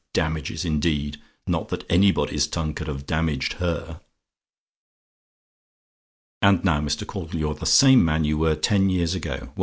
Damages, indeed! Not that anybody's tongue could have damaged her! "And now, Mr. Caudle, you're the same man you were ten years ago.